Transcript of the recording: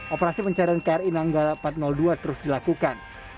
operasi pencarian kri nanggala empat ratus dua terus dilakukan